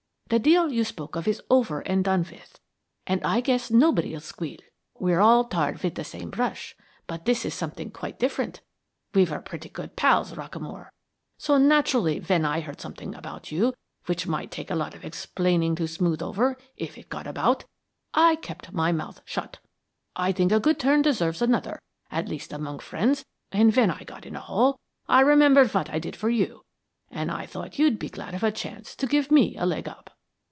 The deal you spoke of is over and done with and I guess nobody'll squeal. We're all tarred with the same brush. But this is something quite different. We were pretty good pals, Rockamore, so naturally, when I heard something about you which might take a lot of explaining to smooth over, if it got about, I kept my mouth shut. I think a good turn deserves another, at least among friends, and when I got in a hole I remembered what I did for you, and I thought you'd be glad of a chance to give me a leg up.'